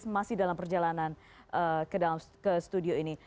masih dalam perjalanan ke studio ini